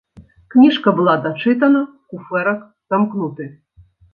Кніжка была дачытана, куфэрак замкнуты.